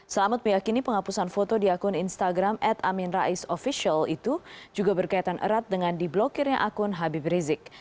selamat meyakini penghapusan foto di akun instagram at amin rais official itu juga berkaitan erat dengan diblokirnya akun habib rizik